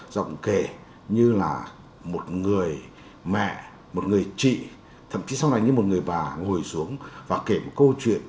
giọng kể như là một người mẹ một người chị thậm chí sau này như một người bà ngồi xuống và kể một câu chuyện